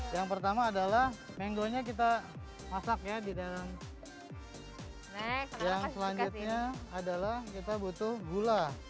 yang pertama adalah menggonya kita masak ya di dalam yang selanjutnya adalah kita butuh gula